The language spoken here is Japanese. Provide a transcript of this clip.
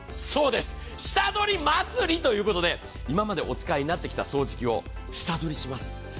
そうです、下取り祭ということで、今までお使いになってきた掃除機を下取りします。